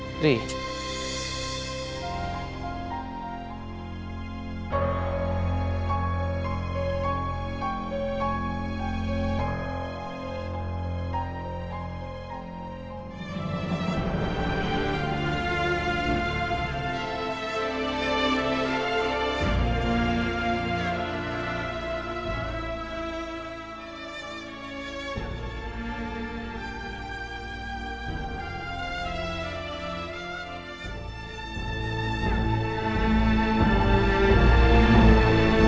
jangan tinggalin aku